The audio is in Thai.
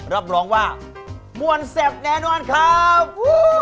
รับรองว่ามวลแซ่บแน่นอนครับ